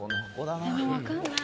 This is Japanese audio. もう分かんない。